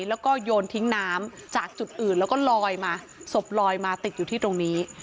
แล้วก็โยนทิ้งน้ำจากจุดอื่นแล้วก็ลอยมาศพลอยมาติดอยู่ที่ตรงนี้